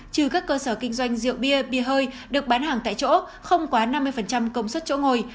trừ các cơ sở kinh doanh rượu bia bia hơi được bán hàng tại chỗ không quá năm mươi công suất chỗ ngồi